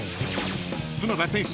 ［角田選手